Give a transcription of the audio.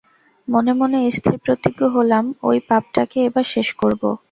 মনে মনে স্থিরপ্রতিজ্ঞ হলাম ওই পাপটাকে এবার শেষ করব।